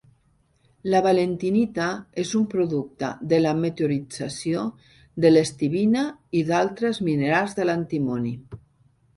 La valentinita és un producte de la meteorització de l'estibina i d'altres minerals de l'antimoni.